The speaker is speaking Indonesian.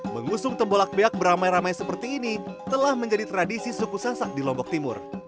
mengusung tembolak beak beramai ramai seperti ini telah menjadi tradisi suku sasak di lombok timur